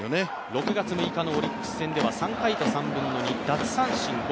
６月６日のオリックス戦では３回と３分の２、奪三振５。